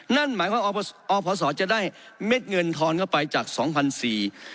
นั่นหมายความว่าอพศจะได้เม็ดเงินทอนเข้าไปจากสองพันสี่